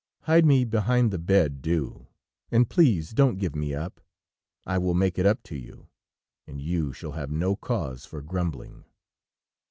Hide me behind the bed, do, and please don't give me up.... I will make it up to you, and you shall have no cause for grumbling....'